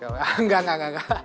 enggak enggak enggak